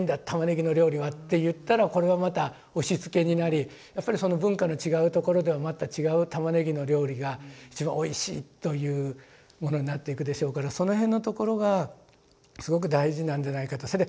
玉ねぎの料理はって言ったらこれはまた押しつけになりやっぱりその文化の違うところではまた違う玉ねぎの料理が一番おいしいというものになっていくでしょうからその辺のところがすごく大事なんじゃないかと。